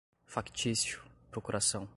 factício, procuração